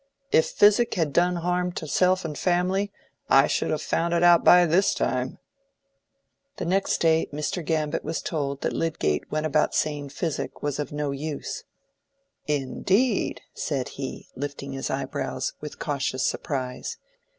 If physic had done harm to self and family, I should have found it out by this time." The next day Mr. Gambit was told that Lydgate went about saying physic was of no use. "Indeed!" said he, lifting his eyebrows with cautious surprise.